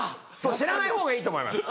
知らない方がいいと思います。